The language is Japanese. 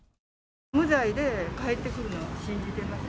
無罪で帰ってくるのを信じています。